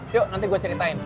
yuk nanti gua ceritain